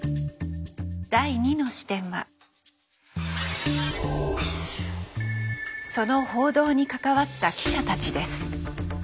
第２の視点はその報道に関わった記者たちです。